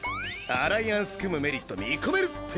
アライアンス組むメリット見込めるって。